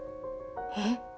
えっ？